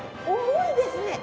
重いですね。